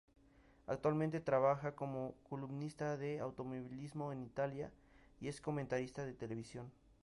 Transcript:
Actualmente, trabaja como columnista de automovilismo en Italia y es comentarista de televisión.